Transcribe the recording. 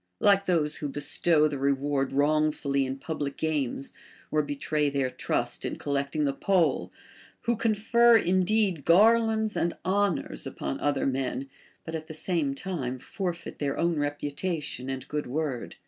— like those who bestow the reward wrongfully in public games, or betray their trust in collecting the poll, Avho confer indeed garlands and honors upon other men, but at the same time forfeit their own reputation and good Avord.